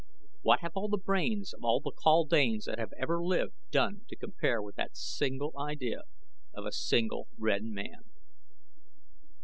"What have all the brains of all the kaldanes that have ever lived done to compare with that single idea of a single red man?"